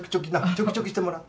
チョキチョキしてもらお。